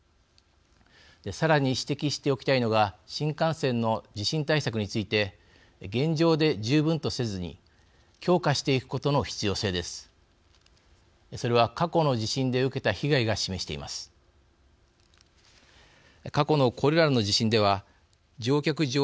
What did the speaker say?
さらに指摘しておきたいのが新幹線の地震対策について現状で十分とせずに強化していくことの必要性です。